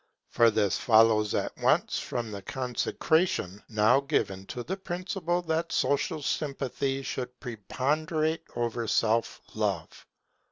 For this follows at once from the consecration now given to the principle that social sympathy should preponderate over self love.